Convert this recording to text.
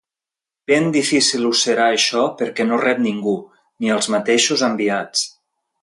Ben difícil us serà això perquè no rep ningú, ni als mateixos enviats.